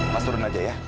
mas turun aja ya